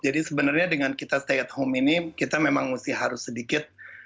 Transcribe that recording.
jadi sebenarnya dengan kita stay at home ini kita memang harus sedikit